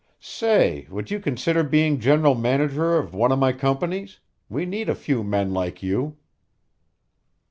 Say, would you consider being general manager of one of my companies? We need a few men like you."